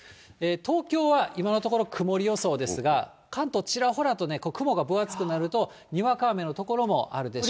東京は今のところ曇り予想ですが、関東、ちらほらとね、ここ、雲が分厚くなると、にわか雨の所もあるでしょう。